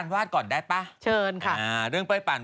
วันที่สุดท้าย